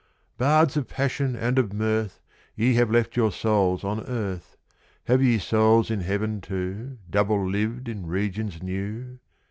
"] BARDS of Passion and of Mirth, Ye have left your souls on earth! Have ye souls in heaven too, Double lived in regions new?